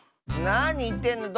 なにいってんの！